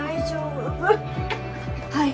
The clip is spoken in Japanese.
はい。